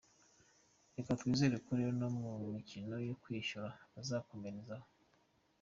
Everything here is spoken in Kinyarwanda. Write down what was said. Reka twizere rero ko no mu mikino yo kwishyura bazakomerezaho.